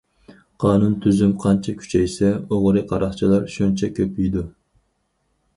قانۇن- تۈزۈم قانچە كۈچەيسە، ئوغرى- قاراقچىلار شۇنچە كۆپىيىدۇ.